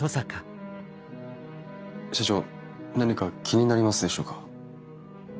社長何か気になりますでしょうか？